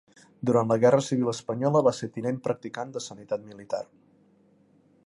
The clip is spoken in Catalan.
Durant la guerra civil espanyola va ser tinent practicant de Sanitat militar.